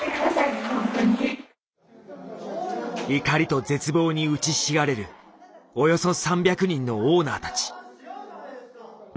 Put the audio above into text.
怒りと絶望に打ちひしがれるおよそ３００人のオーナーたち。